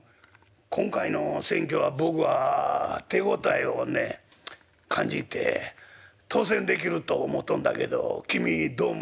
今回の選挙は僕は手応えをね感じて当選できると思うとんだけど君どう思う？」。